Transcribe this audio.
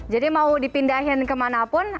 jadi mau dipindahin kemana pun